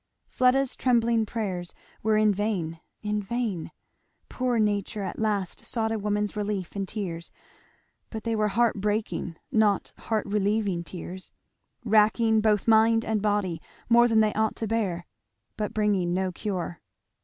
Fleda's trembling prayers were in vain, in vain. Poor nature at last sought a woman's relief in tears but they were heart breaking, not heart relieving tears racking both mind and body more than they ought to bear, but bringing no cure.